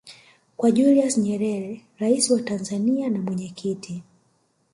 kwa Julius Nyerere Rais wa Tanzania na mwenyekiti